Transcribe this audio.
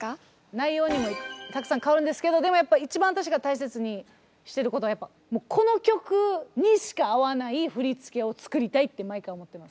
内容にもよってたくさん変わるんですけどでもやっぱ一番私が大切にしていることはこの曲にしか合わない振付を作りたいって毎回思ってます。